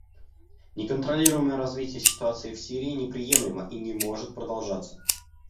Неконтролируемое развитие ситуации в Сирии неприемлемо и не может продолжаться.